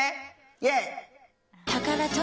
イエイ！